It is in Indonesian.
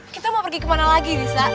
kita mau pergi kemana lagi risa